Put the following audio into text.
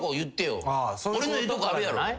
俺のええとこあるやろ？